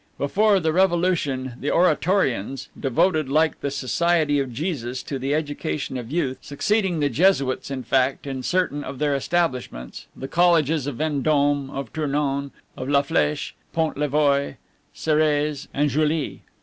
Before the Revolution, the Oratorians, devoted, like the Society of Jesus, to the education of youth succeeding the Jesuits, in fact, in certain of their establishments the colleges of Vendome, of Tournon, of la Fleche, Pont Levoy, Sorreze, and Juilly.